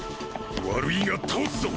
悪いが倒すぞ！